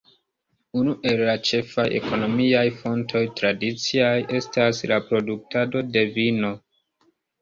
Unu el la ĉefaj ekonomiaj fontoj tradiciaj estas la produktado de vino.